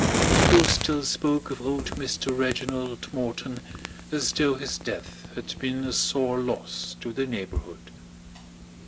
People still spoke of old Mr. Reginald Morton as though his death had been a sore loss to the neighbourhood.